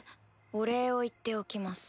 お礼を言っておきます。